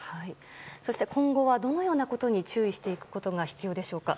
そして今後はどのようなことに注意していくことが必要でしょうか。